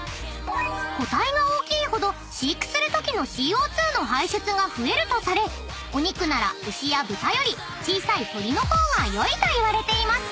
［個体が大きいほど飼育するときのＣＯ２の排出が増えるとされお肉なら牛や豚より小さい鶏の方が良いといわれています］